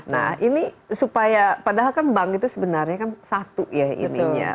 nah ini supaya padahal kan bank itu sebenarnya kan satu ya ininya